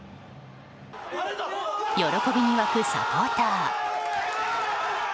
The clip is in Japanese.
喜びに沸くサポーター。